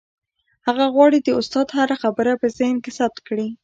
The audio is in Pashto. هغه غواړي د استاد هره خبره په ذهن کې ثبت کړي.